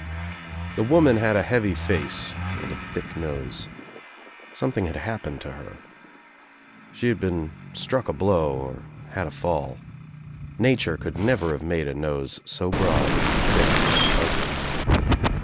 The woman had a heavy face and a thick nose. Something had happened to her. She had been struck a blow or had a fall. Nature could never have made a nose so broad and thick and ugly.